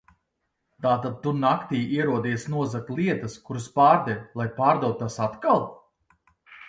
Tātad tu naktī ierodies nozagt lietas, kuras pārdevi, lai pārdotu tās atkal?